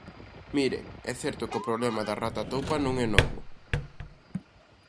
Miren, é certo que o problema da rata toupa non é novo.